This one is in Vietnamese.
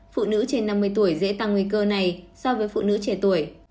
phụ nữ trên năm mươi tuổi dễ tăng nguy cơ này so với phụ nữ trẻ tuổi